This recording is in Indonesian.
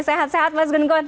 sehat sehat mas gun gun